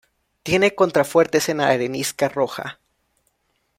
Tiene contrafuertes en arenisca roja.